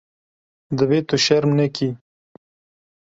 Divê tu şerm nekî.